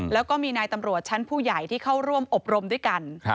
แล้วก็มีนายตำรวจชั้นผู้ใหญ่ที่เข้าร่วมอบรมด้วยกัน